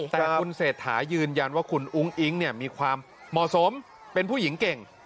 แต่คุณเศรษฐายืนยันว่าคุณอุ้งอิ๊งมีความเหมาะสมเป็นผู้หญิงเก่ง